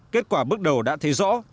kết quả bước đầu đã thấy rõ